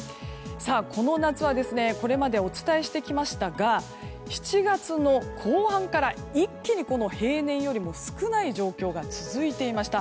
この夏はこれまでお伝えしてきましたが７月の後半から一気に平年よりも少ない状況が続いていました。